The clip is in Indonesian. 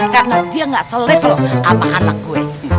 karena dia gak selifel sama anak gue